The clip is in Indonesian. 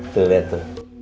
tuh lihat tuh